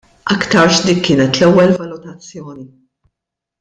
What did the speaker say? Aktarx dik kienet l-ewwel valutazzjoni.